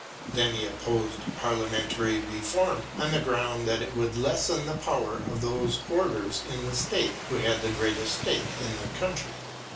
Then he opposed Parliamentary Re form on the ground that it would lessen the power of those orders in the State who had the greatest stake in the country.